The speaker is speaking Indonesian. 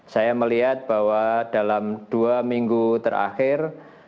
saya melihat bahwa dalam dua minggu terakhir